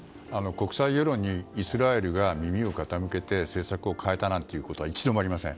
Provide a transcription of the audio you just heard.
国際世論にイスラエルが耳を傾けて政策を変えたことは一度もありません。